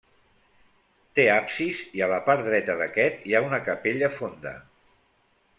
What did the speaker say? Té absis i a la part dreta d'aquest hi ha una capella fonda.